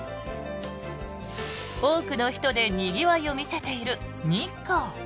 多くの人でにぎわいを見せている日光。